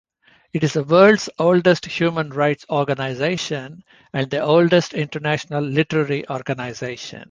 It is the world's oldest human rights organization and the oldest international literary organization.